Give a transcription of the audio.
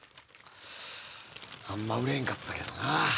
あんま売れへんかったけどな。